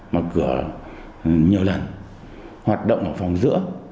mở cửa nhiều lần hoạt động ở phòng giữa